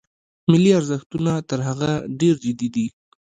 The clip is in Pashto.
ملي ارزښتونه تر هغه ډېر جدي دي.